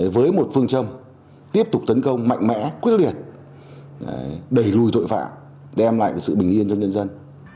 với một phương châm tiếp tục tấn công mạnh mẽ quyết liệt đẩy lùi tội phạm đem lại sự bình yên cho nhân dân